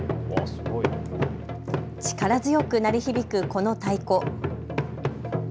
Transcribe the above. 力強く鳴り響く、この太鼓。